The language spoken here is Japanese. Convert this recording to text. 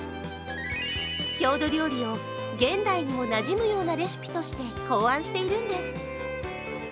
郷土料理を現代にもなじむようなレシピとして考案しているんです。